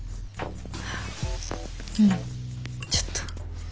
うんちょっと。